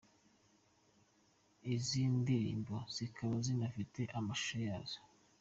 Izi ndirimbo zikaba zinafite amashusho yazo.